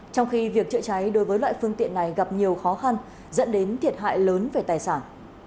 trong khi việc chữa cháy đối với loại phương tiện này gặp nhiều khó khăn dẫn đến thiệt hại lớn về tài sản